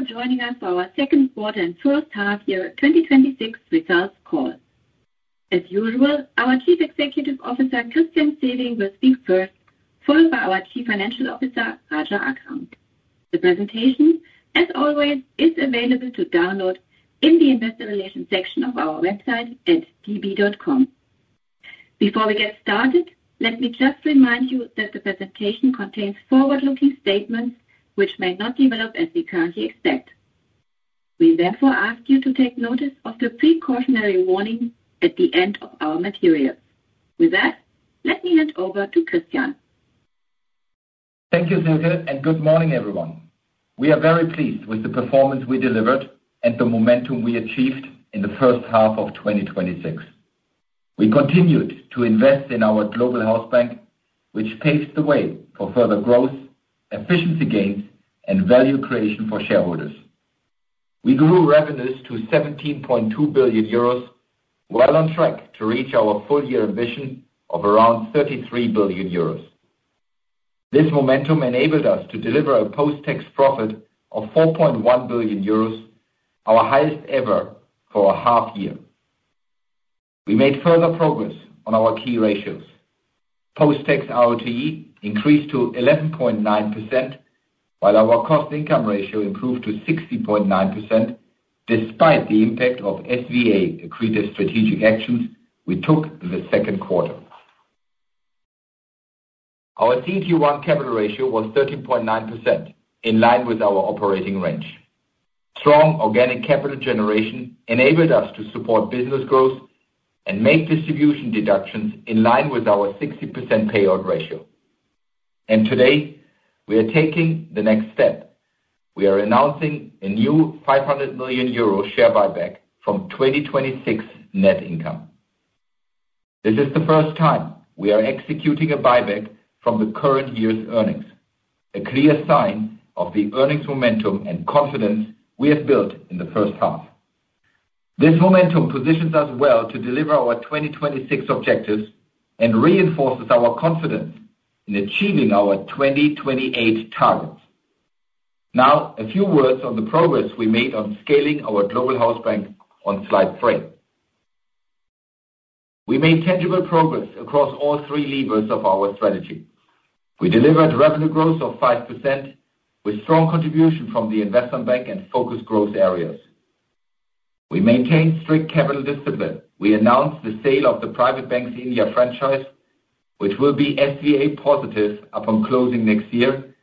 Thank you for joining us for our second-quarter and first-half year 2026 results call. As usual, our Chief Executive Officer Christian Sewing will speak first, followed by our Chief Financial Officer Raja Akram. The presentation, as always, is available to download in the investor relations section of our website at db.com. Before we get started, let me just remind you that the presentation contains forward-looking statements which may not develop as we currently expect. We therefore ask you to take notice of the precautionary warning at the end of our materials. With that, let me hand over to Christian. Thank you, Silke, and good morning, everyone. We are very pleased with the performance we delivered and the momentum we achieved in the first half of 2026. We continued to invest in our Global Hausbank, which paved the way for further growth, efficiency gains, and value creation for shareholders. We grew revenues to 17.2 billion euros, well on track to reach our full-year ambition of around 33 billion euros. This momentum enabled us to deliver a post-tax profit of 4.1 billion euros, our highest ever for a half-year. We made further progress on our key ratios: post-tax RoTE increased to 11.9%, while our cost-income ratio improved to 60.9% despite the impact of SVA-accretive strategic actions we took in the second quarter. Our CET1 capital ratio was 13.9%, in line with our operating range. Strong organic capital generation enabled us to support business growth and make distribution deductions in line with our 60% payout ratio. Today, we are taking the next step: we are announcing a new 500 million euro share buyback from 2026 net income. This is the first time we are executing a buyback from the current year's earnings, a clear sign of the earnings momentum and confidence we have built in the first half. This momentum positions us well to deliver our 2026 objectives and reinforces our confidence in achieving our 2028 targets. Now, a few words on the progress we made on scaling our global Hausbank on slide three. We made tangible progress across all three levers of our strategy. We delivered revenue growth of 5%, with strong contribution from the Investment Bank and focused growth areas. We maintained strict capital discipline. We announced the sale of the Private Bank's India franchise, which will be SVA positive upon closing next year,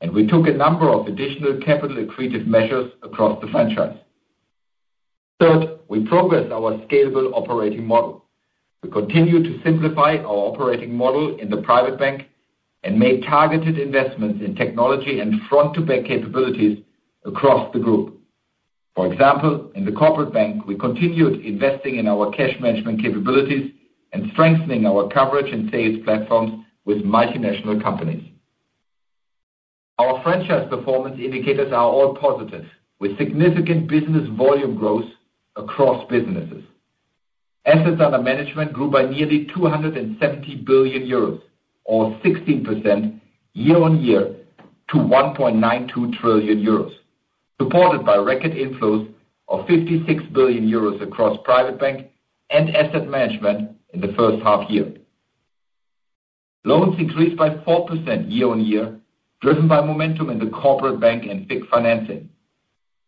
and we took a number of additional capital-accretive measures across the franchise. Third, we progressed our scalable operating model. We continued to simplify our operating model in the Private Bank and made targeted investments in technology and front-to-back capabilities across the group. For example, in the Corporate Bank, we continued investing in our cash management capabilities and strengthening our coverage and sales platforms with multinational companies. Our franchise performance indicators are all positive, with significant business volume growth across businesses. Assets under management grew by nearly 270 billion euros, or 16% year-on-year to 1.92 trillion euros, supported by record inflows of 56 billion euros across Private Bank and Asset Management in the first half-year. Loans increased by 4% year-on-year, driven by momentum in the Corporate Bank and FIC financing.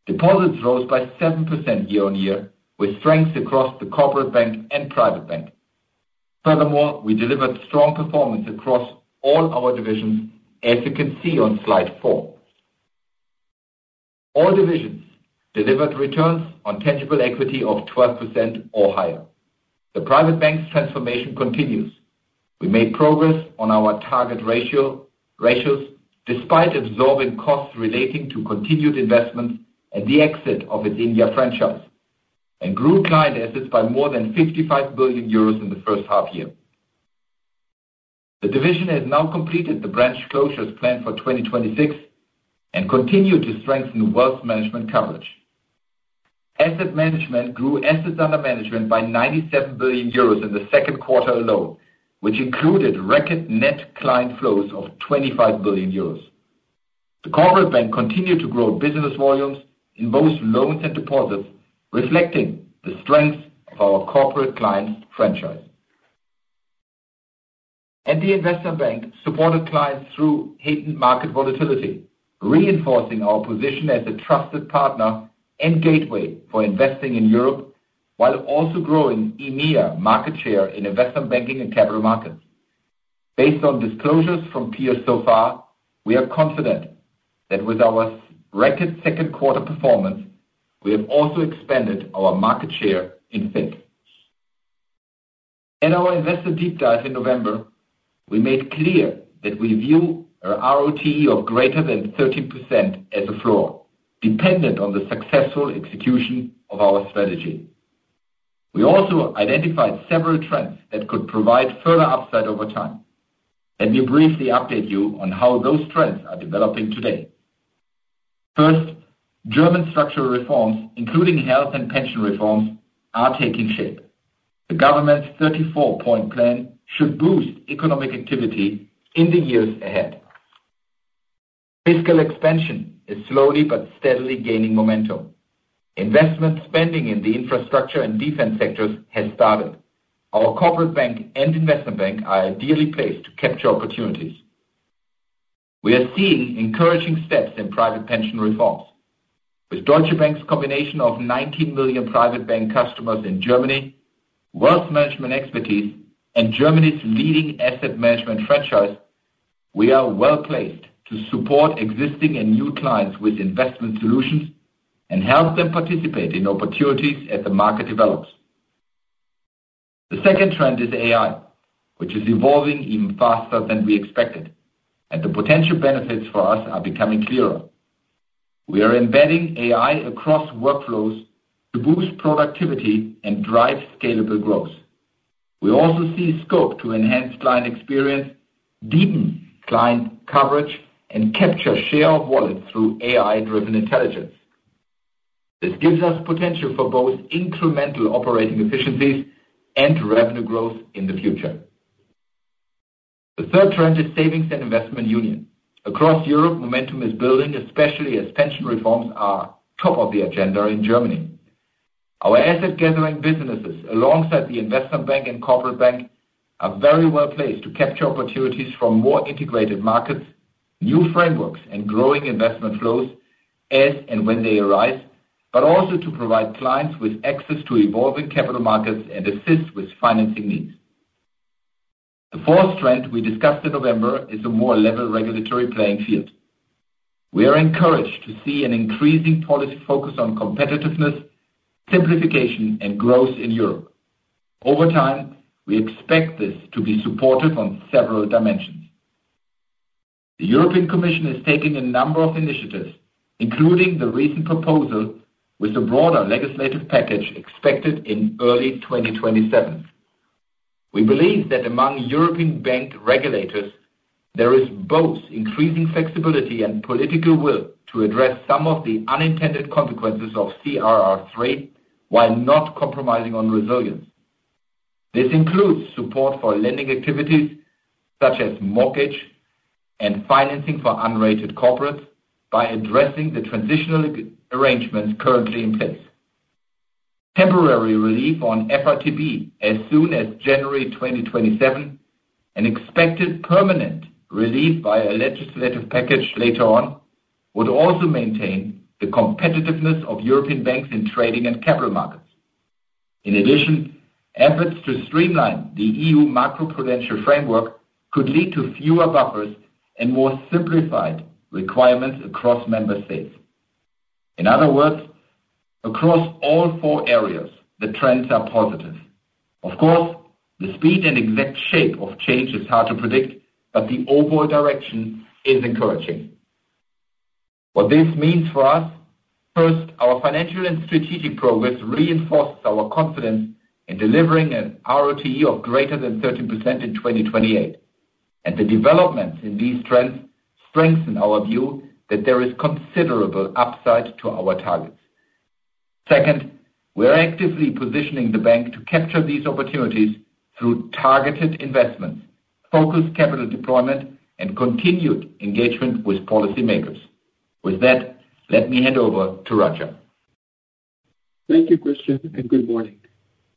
Deposits rose by 7% year-on-year, with strength across the Corporate Bank and Private Bank. We delivered strong performance across all our divisions, as you can see on slide four. All divisions delivered returns on tangible equity of 12% or higher. The Private Bank's transformation continues. We made progress on our target ratios despite absorbing costs relating to continued investments and the exit of its India franchise, and grew client assets by more than 55 billion euros in the first half-year. The division has now completed the branch closures planned for 2026 and continued to strengthen wealth management coverage. Asset Management grew assets under management by 97 billion euros in the second quarter alone, which included record net client flows of 25 billion euros. The Corporate Bank continued to grow business volumes in both loans and deposits, reflecting the strength of our corporate clients' franchise. The Investment Bank supported clients through heightened market volatility, reinforcing our position as a trusted partner and gateway for investing in Europe, while also growing EMEA market share in Investment Banking & Capital Markets. Based on disclosures from peers so far, we are confident that with our record second quarter performance, we have also expanded our market share in FIC. At our Investor Deep Dive in November, we made clear that we view an RoTE of greater than 13% as a floor, dependent on the successful execution of our strategy. We also identified several trends that could provide further upside over time. Let me briefly update you on how those trends are developing today. First, German structural reforms, including health and pension reforms, are taking shape. The government's 34-point plan should boost economic activity in the years ahead. Fiscal expansion is slowly but steadily gaining momentum. Investment spending in the infrastructure and defense sectors has started. Our Corporate Bank and Investment Bank are ideally placed to capture opportunities. We are seeing encouraging steps in private pension reforms. With Deutsche Bank's combination of 19 million Private Bank customers in Germany, wealth management expertise, and Germany's leading Asset Management franchise, we are well placed to support existing and new clients with investment solutions and help them participate in opportunities as the market develops. The second trend is AI, which is evolving even faster than we expected. The potential benefits for us are becoming clearer. We are embedding AI across workflows to boost productivity and drive scalable growth. We also see scope to enhance client experience, deepen client coverage, and capture share of wallet through AI-driven intelligence. This gives us potential for both incremental operating efficiencies and revenue growth in the future. The third trend is Savings and Investments Union. Across Europe, momentum is building, especially as pension reforms are top of the agenda in Germany. Our asset-gathering businesses, alongside the Investment Bank and Corporate Bank, are very well placed to capture opportunities from more integrated markets, new frameworks, and growing investment flows as and when they arise, but also to provide clients with access to evolving capital markets and assist with financing needs. The fourth trend we discussed in November is a more level regulatory playing field. We are encouraged to see an increasing policy focus on competitiveness, simplification, and growth in Europe. Over time, we expect this to be supportive on several dimensions. The European Commission is taking a number of initiatives, including the recent proposal with a broader legislative package expected in early 2027. We believe that among European bank regulators, there is both increasing flexibility and political will to address some of the unintended consequences of CRR3 while not compromising on resilience. This includes support for lending activities such as mortgage and financing for unrated corporates by addressing the transitional arrangements currently in place. Temporary relief on FRTB as soon as January 2027, and expected permanent relief by a legislative package later on, would also maintain the competitiveness of European banks in trading and capital markets. In addition, efforts to streamline the EU macroprudential framework could lead to fewer buffers and more simplified requirements across member states. In other words, across all four areas, the trends are positive. Of course, the speed and exact shape of change is hard to predict, but the overall direction is encouraging. What this means for us: first, our financial and strategic progress reinforces our confidence in delivering an RoTE of greater than 13% in 2028, and the developments in these trends strengthen our view that there is considerable upside to our targets. Second, we are actively positioning the bank to capture these opportunities through targeted investments, focused capital deployment, and continued engagement with policymakers. With that, let me hand over to Raja. Thank you, Christian, and good morning.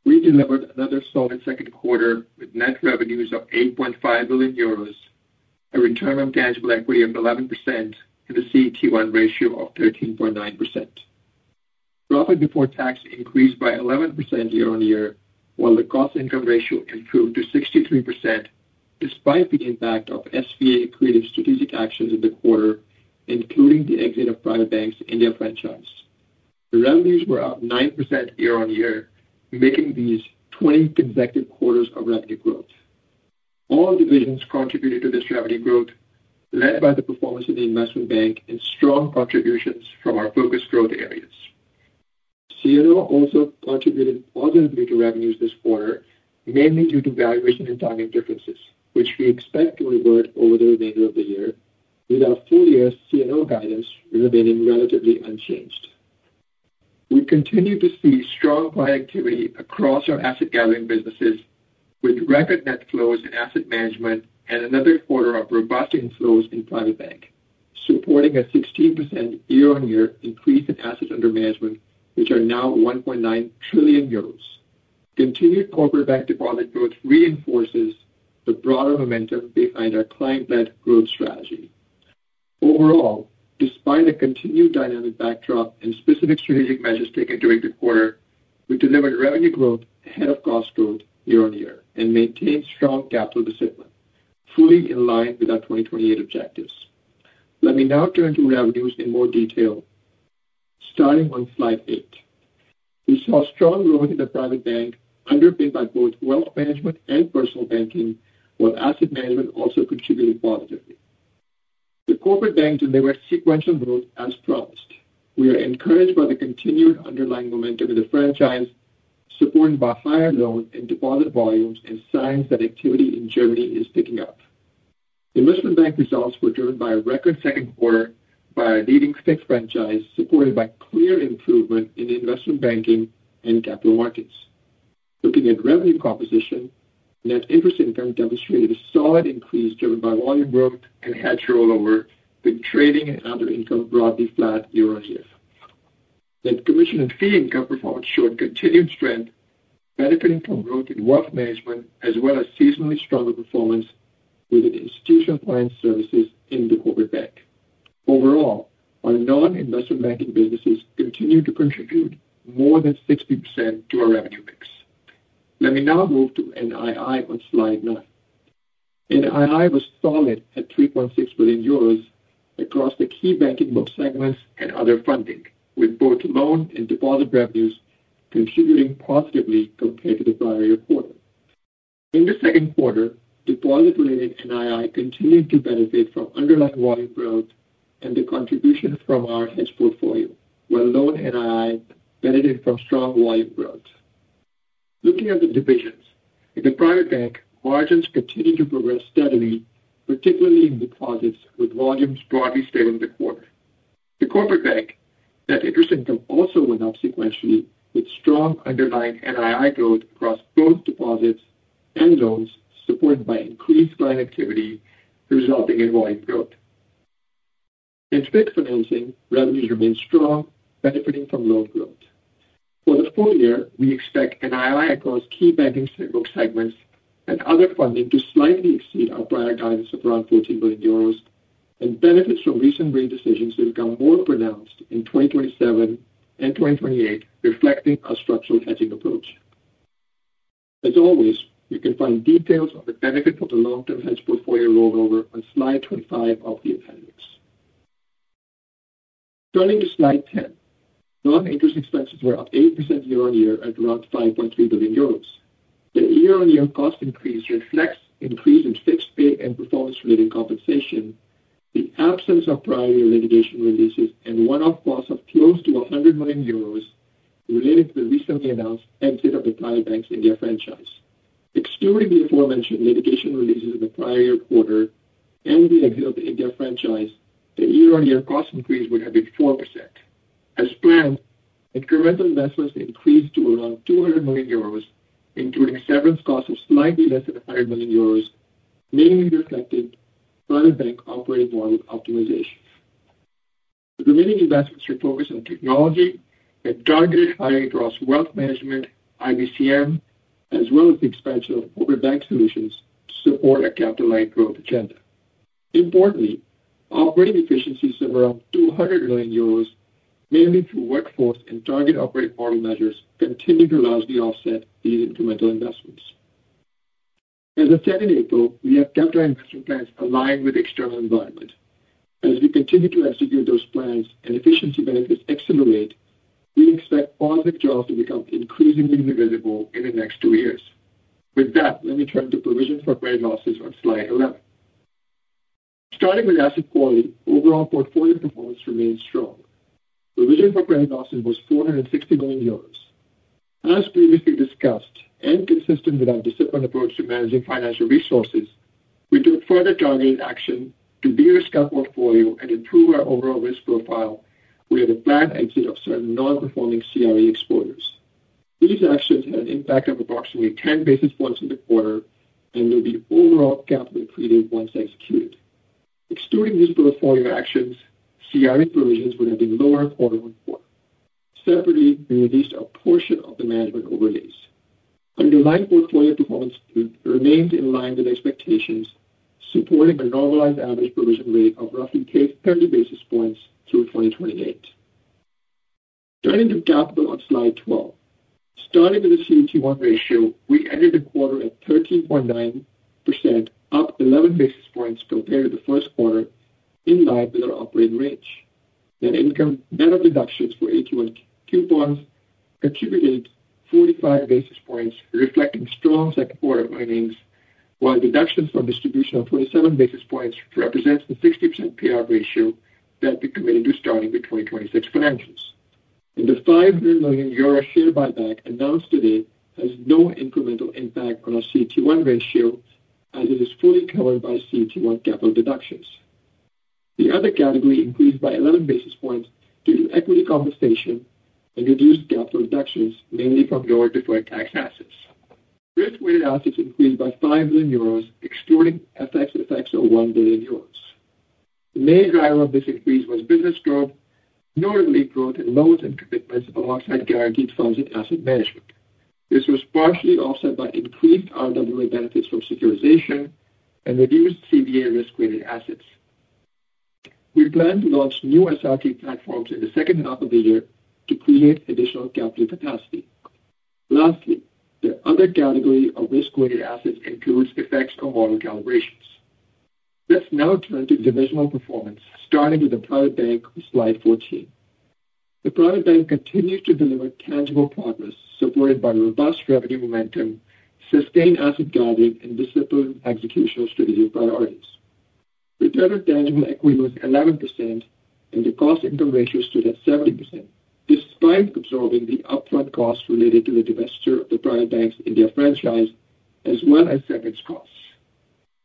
We delivered another solid second quarter with net revenues of 8.5 billion euros, a return on tangible equity of 11%, and a CET1 ratio of 13.9%. Profit before tax increased by 11% year-on-year, while the cost-income ratio improved to 63% despite the impact of SVA-accretive strategic actions in the quarter, including the exit of Private Bank India franchise. The revenues were up 9% year-on-year, making these 20 consecutive quarters of revenue growth. All divisions contributed to this revenue growth, led by the performance of the Investment Bank and strong contributions from our focused growth areas. C&O also contributed positively to revenues this quarter, mainly due to valuation and timing differences, which we expect to revert over the remainder of the year, with our full-year C&O guidance remaining relatively unchanged. We continue to see strong client activity across our asset-gathering businesses, with record net flows in Asset Management and another quarter of robust inflows in Private Bank, supporting a 16% year-on-year increase in assets under management, which are now 1.9 trillion euros. Continued Corporate Bank deposit growth reinforces the broader momentum behind our client-led growth strategy. Overall, despite a continued dynamic backdrop and specific strategic measures taken during the quarter, we delivered revenue growth ahead of cost growth year-on-year and maintained strong capital discipline, fully in line with our 2028 objectives. Let me now turn to revenues in more detail, starting on slide eight. We saw strong growth in the Private Bank, underpinned by both wealth management and personal banking, while Asset Management also contributed positively. The Corporate Bank delivered sequential growth as promised. We are encouraged by the continued underlying momentum in the franchise, supported by higher loan and deposit volumes and signs that activity in Germany is picking up. Investment Bank results were driven by a record second quarter by our leading FIC franchise, supported by clear improvement in Investment Banking & Capital Markets. Looking at revenue composition, net interest income demonstrated a solid increase driven by volume growth and hedge rollover, with trading and other income broadly flat year-on-year. Net commission and fee income performance showed continued strength, benefiting from growth in wealth management as well as seasonally stronger performance within institutional client services in the Corporate Bank. Overall, our non-investment banking businesses continue to contribute more than 60% to our revenue mix. Let me now move to NII on slide nine. NII was solid at 3.6 billion euros across the key banking book segments and other funding, with both loan and deposit revenues contributing positively compared to the prior year quarter. In the second quarter, deposit-related NII continued to benefit from underlying volume growth and the contribution from our hedge portfolio, while loan NII benefited from strong volume growth. Looking at the divisions, in the Private Bank, margins continue to progress steadily, particularly in deposits, with volumes broadly stable in the quarter. The Corporate Bank, net interest income also went up sequentially, with strong underlying NII growth across both deposits and loans, supported by increased client activity resulting in volume growth. In FIC financing, revenues remained strong, benefiting from loan growth. For the full year, we expect NII across key banking book segments and other funding to slightly exceed our prior guidance of around 14 billion euros, and benefits from recent green decisions to become more pronounced in 2027 and 2028, reflecting our structural hedging approach. As always, you can find details on the benefit of the long-term hedge portfolio rollover on slide 25 of the appendix. Turning to slide 10, non-interest expenses were up 8% year-on-year at around 5.3 billion euros. The year-on-year cost increase reflects increase in fixed pay and performance-related compensation. The absence of prior year litigation releases and one-off costs of close to 100 million euros related to the recently announced exit of the Private Bank's India franchise. Excluding the aforementioned litigation releases in the prior year quarter and the exit of the India franchise, the year-on-year cost increase would have been 4%. As planned, incremental investments increased to around 200 million euros, including severance costs of slightly less than 100 million euros, mainly reflecting Private Bank operating model optimization. The remaining investments were focused on technology and targeted hiring across wealth management, IBCM, as well as the expansion of Corporate Bank solutions to support our capital-linked growth agenda. Importantly, operating efficiencies of around 200 million euros, mainly through workforce and target operating model measures, continue to largely offset these incremental investments. As of end of April, we have capital investment plans aligned with the external environment. As we continue to execute those plans and efficiency benefits accelerate, we expect positive jaws to become increasingly visible in the next two years. With that, let me turn to provisions for credit losses on slide 11. Starting with asset quality, overall portfolio performance remains strong. Provision for credit losses was 460 million. As previously discussed and consistent with our disciplined approach to managing financial resources, we took further targeted action to de-risk our portfolio and improve our overall risk profile with a planned exit of certain non-performing CRE exposures. These actions had an impact of approximately 10 basis points in the quarter and will be overall capped with accretive once executed. Excluding these portfolio actions, CRE provisions would have been lower quarter-on-quarter. Separately, we released a portion of the management overlays. Underlying portfolio performance remained in line with expectations, supporting a normalized average provision rate of roughly 30 basis points through 2028. Turning to capital on slide 12, starting with the CET1 ratio, we ended the quarter at 13.9%, up 11 basis points compared to the first quarter, in line with our operating range. Net income, net of deductions for AT1 coupons contributed 45 basis points, reflecting strong second quarter earnings, while deductions from distribution of 27 basis points represent the 60% payout ratio that we committed to starting with 2026 financials. The 500 million euro share buyback announced today has no incremental impact on our CET1 ratio, as it is fully covered by CET1 capital deductions. The other category increased by 11 basis points due to equity compensation and reduced capital deductions, mainly from lower deferred tax assets. Risk-weighted assets increased by 5 million euros, excluding FX effects of 1 billion euros. The main driver of this increase was business growth, notably growth in loans and commitments alongside guarantees and funds in Asset Management. This was partially offset by increased RWA benefits from securitization and reduced CVA risk-weighted assets. We plan to launch new SRT platforms in the second half of the year to create additional capital capacity. Lastly, the other category of risk-weighted assets includes FX or model calibrations. Let's now turn to divisional performance, starting with the Private Bank on slide 14. The Private Bank continues to deliver tangible progress, supported by robust revenue momentum, sustained asset gathering, and disciplined execution of strategic priorities. Return on tangible equity was 11%, and the cost-income ratio stood at 70%, despite absorbing the upfront costs related to the divestiture of the Private Bank's India franchise as well as severance costs.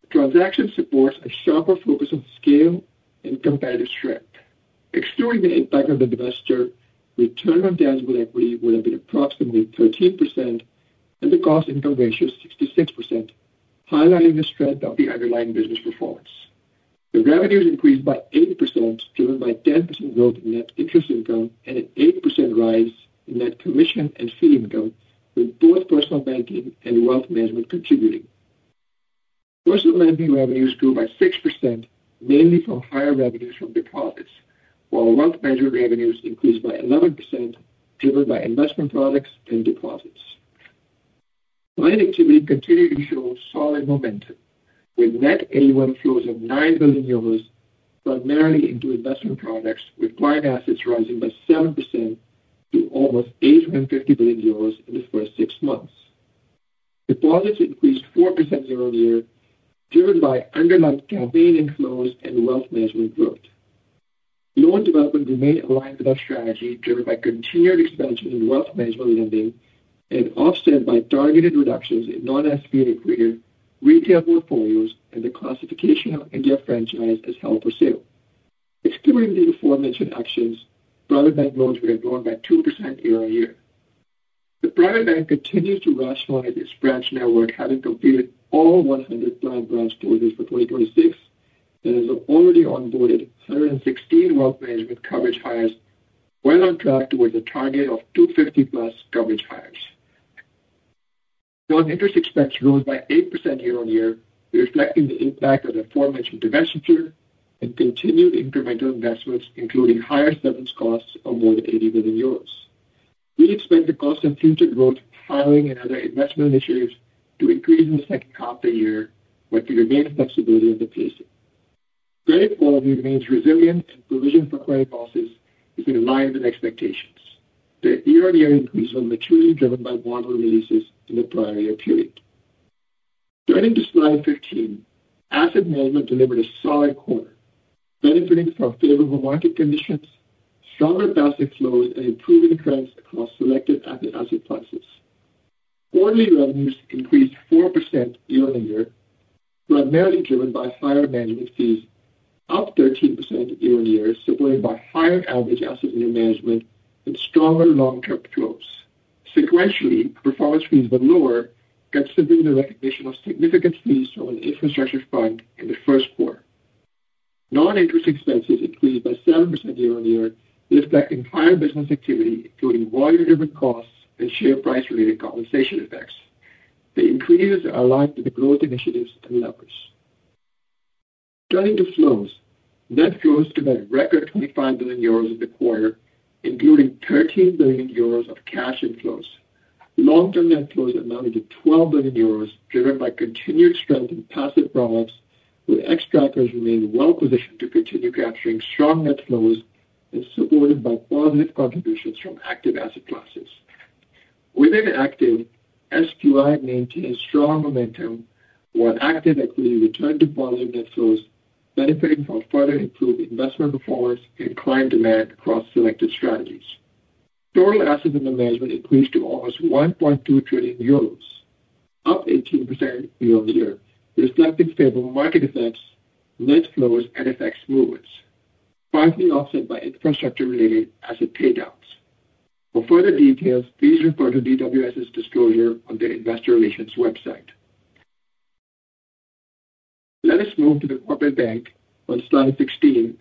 The transaction supports a sharper focus on scale and competitive strength. Excluding the impact on the divestiture, return on tangible equity would have been approximately 13%, and the cost-income ratio 66%, highlighting the strength of the underlying business performance. Revenues increased by 8%, driven by 10% growth in net interest income and an 8% rise in net commission and fee income, with both personal banking and wealth management contributing. Personal banking revenues grew by 6%, mainly from higher revenues from deposits, while wealth management revenues increased by 11%, driven by investment products and deposits. Client activity continued to show solid momentum, with net new flows of 9 billion euros primarily into investment products, with client assets rising by 7% to almost 850 billion euros in the first six months. Deposits increased 4% year-on-year, driven by underlying campaign inflows and wealth management growth. Loan development remained aligned with our strategy, driven by continued expansion in wealth management lending and offset by targeted reductions in non-SVA-accretive retail portfolios and the classification of India franchise as held for sale. Excluding the aforementioned actions, Private Bank loans were grown by 2% year-on-year. The Private Bank continues to rationalize its branch network, having completed all 100 planned branch closures for 2026, and has already onboarded 116 wealth management coverage hires, well on track toward the target of 250+ coverage hires. Non-interest expense rose by 8% year-on-year, reflecting the impact of the aforementioned divestiture and continued incremental investments, including higher severance costs of more than 80 million euros. We expect the cost-of-future growth of hiring and other investment initiatives to increase in the second half of the year, but to remain flexible in the pacing. Credit quality remains resilient, and provision for credit losses is in line with expectations. The year-on-year increase was materially driven by model releases in the prior year period. Turning to slide 15, Asset Management delivered a solid quarter, benefiting from favorable market conditions, stronger passive flows, and improving trends across selected asset classes. Quarterly revenues increased 4% year-on-year, primarily driven by higher management fees, up 13% year-on-year, supported by higher average assets under management and stronger long-term flows. Sequentially, performance fees were lower, considering the recognition of significant fees from an infrastructure fund in the first quarter. Non-interest expenses increased by 7% year-on-year, reflecting higher business activity, including volume-driven costs and share price-related compensation effects. The increases are aligned with the growth initiatives and levers. Turning to flows, net flows took a record 25 billion euros in the quarter, including 13 billion euros of cash inflows. Long-term net flows amounted to 12 billion euros, driven by continued strength in passive products, with Xtrackers remaining well positioned to continue capturing strong net flows and supported by positive contributions from active asset classes. Within active, SQI maintained strong momentum, while active equity returned to positive net flows, benefiting from further improved investment performance and client demand across selected strategies. Total assets under management increased to almost 1.2 trillion euros, up 18% year-on-year, reflecting favorable market effects, net flows, and FX movements, partly offset by infrastructure-related asset paydowns. For further details, please refer to DWS's disclosure on the investor relations website. Let us move to the Corporate Bank on slide 16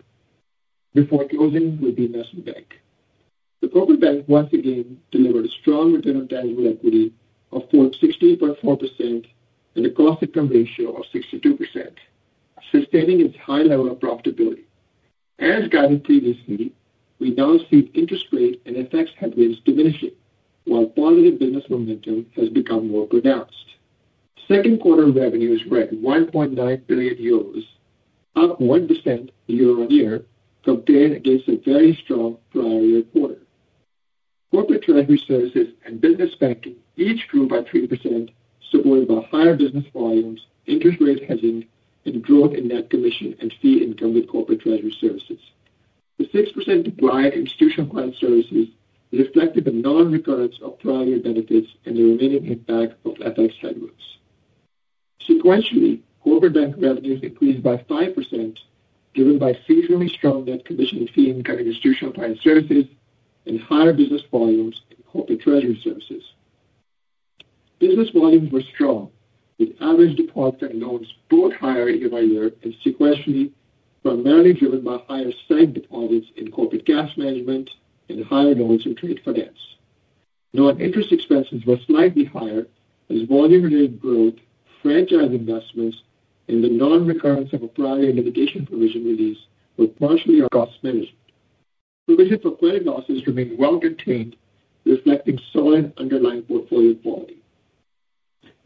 before closing with the Investment Bank. The Corporate Bank, once again, delivered a strong return on tangible equity of 16.4% and a cost-income ratio of 62%, sustaining its high level of profitability. As guided previously, we now see interest rate and FX headwinds diminishing, while positive business momentum has become more pronounced. Second quarter revenues were at 1.9 billion euros, up 1% year-on-year, compared against a very strong prior year quarter. Corporate treasury services and business banking each grew by 3%, supported by higher business volumes, interest rate hedging, and growth in net commission and fee income with corporate treasury services. The 6% decline in institutional client services reflected the non-recurrence of prior year benefits and the remaining impact of FX headwinds. Sequentially, Corporate Bank revenues increased by 5%, driven by feasibly strong net commission and fee income in institutional client services and higher business volumes in corporate treasury services. Business volumes were strong, with average deposits and loans both higher year-on-year and sequentially primarily driven by higher sight deposits in corporate cash management and higher loans in trade finance. Non-interest expenses were slightly higher, as volume-related growth, franchise investments, and the non-recurrence of a prior year litigation provision release were partially of cost management. Provision for credit losses remained well contained, reflecting solid underlying portfolio quality.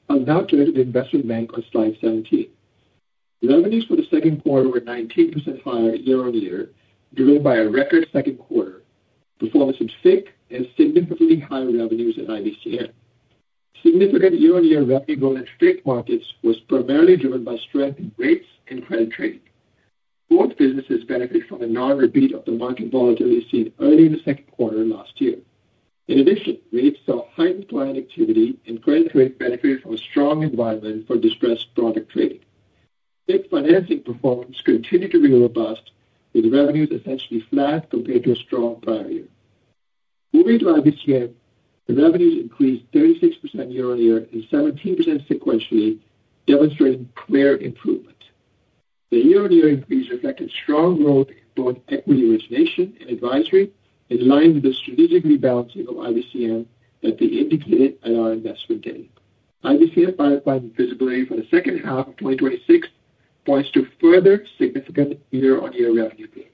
I'll now turn to the Investment Bank on slide 17. Revenues for the second quarter were 19% higher year-on-year, driven by a record second quarter performance of FIC and significantly higher revenues in IBCM. Significant year-on-year revenue growth in FIC markets was primarily driven by strength in rates and credit trading. Both businesses benefited from a non-repeat of the market volatility seen early in the second quarter last year. In addition, rates saw heightened client activity, and credit trade benefited from a strong environment for distressed product trading. FIC financing performance continued to be robust, with revenues essentially flat compared to a strong prior year. Moving to IBCM, the revenues increased 36% year-on-year and 17% sequentially, demonstrating clear improvement. The year-on-year increase reflected strong growth in both equity origination and advisory, in line with the strategic rebalancing of IBCM that we indicated at our Investment Day. IBCM [qualified visibility] for the second half of 2026 points to further significant year-on-year revenue gain.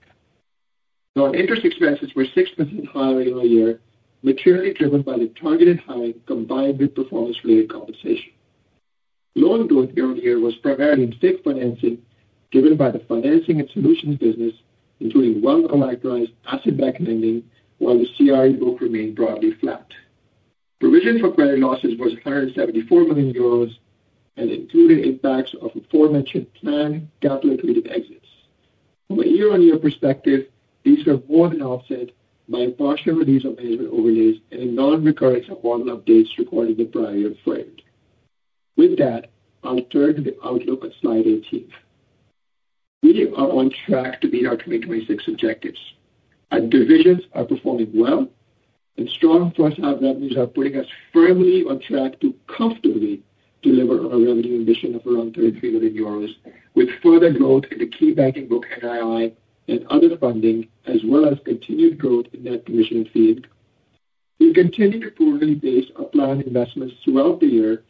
Non-interest expenses were 6% higher year-on-year, materially driven by the targeted hiring combined with performance-related compensation. Loan growth year-on-year was primarily in FIC financing, driven by the financing and solutions business, including well-collateralized asset-backed lending, while the CRE book remained broadly flat. Provision for credit losses was 174 million euros and included impacts of aforementioned planned capital-accretive exits. From a year-on-year perspective, these were more than offset by a partial release of management overlays and a non-recurrence of model updates recorded in the prior year period. With that, I'll turn to the outlook on slide 18. We are on track to meet our 2026 objectives. Our divisions are performing well, strong first-half revenues are putting us firmly on track to comfortably deliver on a revenue ambition of around 33 billion euros, with further growth in the key banking book NII and other funding, as well as continued growth in net commission and fee income. We continue to prudently pace our planned investments throughout the year,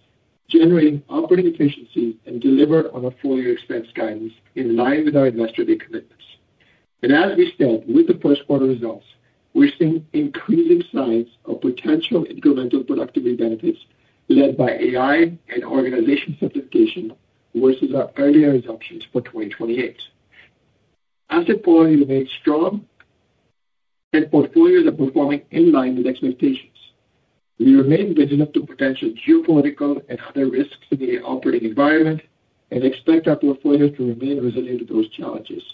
generating operating efficiency and deliver on our full-year expense guidance in line with our investor commitments. As we stand with the first quarter results, we're seeing increasing signs of potential incremental productivity benefits led by AI and organization simplification versus our earlier assumptions for 2028. Asset quality remains strong, and portfolios are performing in line with expectations. We remain vigilant to potential geopolitical and other risks in the operating environment and expect our portfolios to remain resilient to those challenges.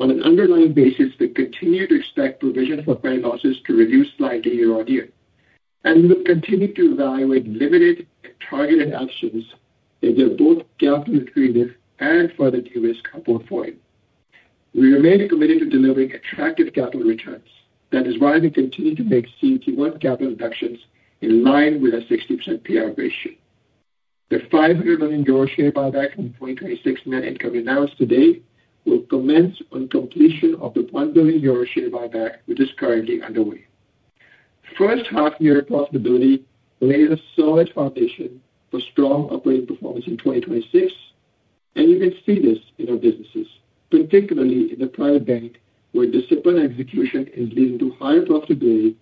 On an underlying basis, we continue to expect provision for credit losses to reduce slightly year-on-year, we will continue to evaluate limited and targeted actions aimed at both capital-accretive and further de-risk our portfolio. We remain committed to delivering attractive capital returns. That is why we continue to make CET1 capital deductions in line with our 60% payout ratio. The EUR 500 million share buyback in 2026 net income announced today will commence on completion of the 1 billion euro share buyback, which is currently underway. First-half year profitability lays a solid foundation for strong operating performance in 2026, and you can see this in our businesses, particularly in the Private Bank, where disciplined execution is leading to higher profitability.